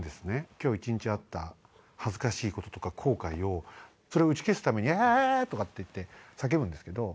今日一日あった恥ずかしいこととか後悔をそれを打ち消すためにウヤ！とか言って叫ぶんです。